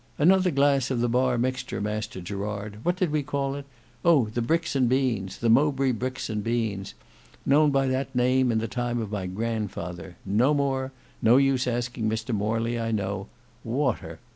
"Another glass of the bar mixture, Master Gerard. What did we call it? Oh! the bricks and beans—the Mowbray bricks and beans; known by that name in the time of my grandfather. No more! No use asking Mr Morley I know. Water!